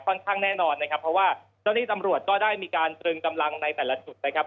ข้างแน่นอนนะครับเพราะว่าเจ้าหน้าที่ตำรวจก็ได้มีการตรึงกำลังในแต่ละจุดนะครับ